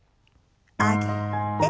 上げて。